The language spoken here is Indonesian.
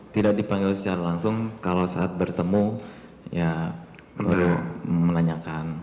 tidak dipanggil secara langsung kalau saat bertemu ya beliau menanyakan